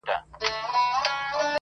• د ړندو لښکر نیولي تر لمن یو -